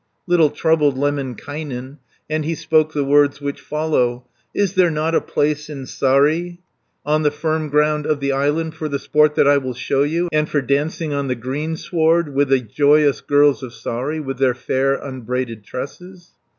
Little troubled Lemminkainen, And he spoke the words which follow: "Is there not a place in Saari, On the firm ground of the island, For the sport that I will show you, And for dancing on the greensward, 130 With the joyous girls of Saari, With their fair unbraided tresses?"